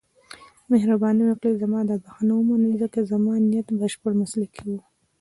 مهرباني وکړئ زما دا بښنه ومنئ، ځکه زما نیت بشپړ مسلکي و.